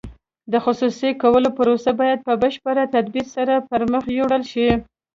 د خصوصي کولو پروسه باید په بشپړ تدبیر سره پرمخ یوړل شي.